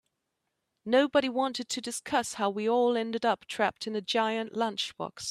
Nobody wanted to discuss how we all ended up trapped in a giant lunchbox.